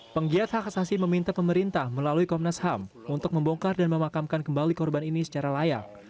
penggiat hak asasi meminta pemerintah melalui komnas ham untuk membongkar dan memakamkan kembali korban ini secara layak